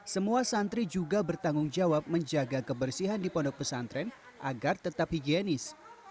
semua santri juga bertanggung jawab menjaga kebersihan di pondok pesantren agar tetap higienis